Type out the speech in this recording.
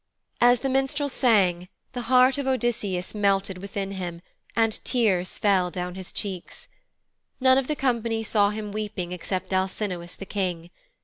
As the minstrel sang, the heart of Odysseus melted within him and tears fell down his cheeks. None of the company saw him weeping except Alcinous the King.